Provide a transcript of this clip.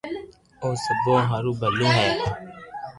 او سبو ھارو ڀلو ھي